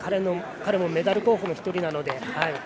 彼もメダル候補の１人なので。